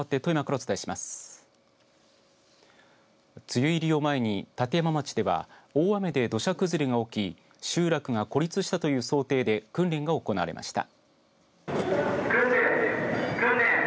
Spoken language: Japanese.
梅雨入りを前に立山町では大雨で土砂崩れが起き集落が孤立したという想定で訓練が行われました。